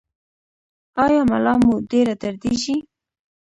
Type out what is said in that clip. ایا ملا مو ډیره دردیږي؟